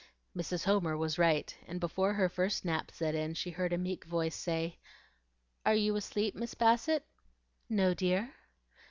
Mrs. Homer was right, and before her first nap set in she heard a meek voice say, "Are you asleep, Miss Bassett?" "No, dear."